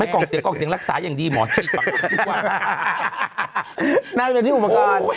ไม่กล่องเสียงคำเสียงรักษาอย่างดีหมอจริกปังชั่นทุกวัน